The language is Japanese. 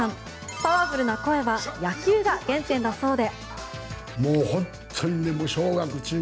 パワフルな声は野球が原点だそうで。